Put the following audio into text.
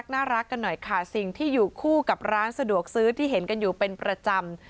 น่ารักกันหน่อยค่ะสิ่งที่อยู่คู่กับร้านสะดวกซื้อที่เห็นกันอยู่เป็นประจำ